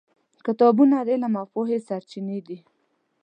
کتابونه د علم او پوهې سرچینې دي.